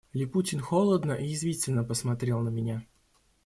Липутин холодно и язвительно посмотрел на меня.